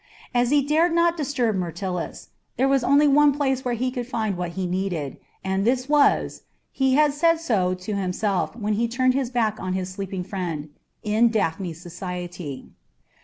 As he dared not disturb Myrtilus, there was only one place where he could find what he needed, and this was he had said so to himself when he turned his back on his sleeping friend in Daphne's society.